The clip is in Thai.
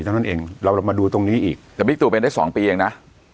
ทั้งนั้นเองเรามาดูตรงนี้อีกแต่มิกตุเป็นได้สองปีเองน่ะ